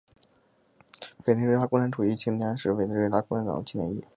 委内瑞拉共产主义青年是委内瑞拉共产党的青年翼。